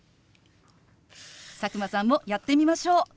佐久間さんもやってみましょう。